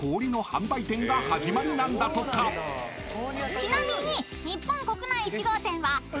［ちなみに］